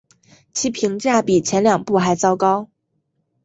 其评价比前两部还糟糕。